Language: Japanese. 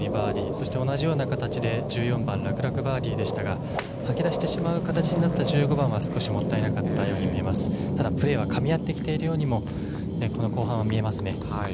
そして同じような形で１４番、楽々バーディーでしたが吐き出してしまう形になった１５番はもったいなかったように見えますプレーはかみ合ってきているようにも、後半は見えますね。